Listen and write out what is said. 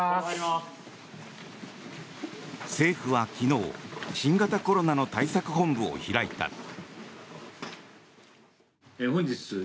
政府は昨日新型コロナの対策本部を開いた。